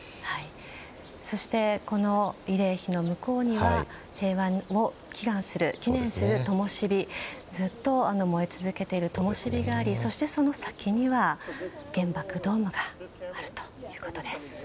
そしてこの慰霊碑の向こうには平和を祈願する祈念する灯、ずっと燃え続けている灯がありそして、その先には原爆ドームがあるということです。